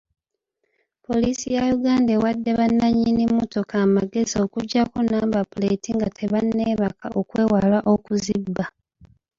Poliisi ya Uganda ewadde bannanyini mmotoka amagezi okuziggyako namba puleeti nga tebanneebaka okwewala okuzibba.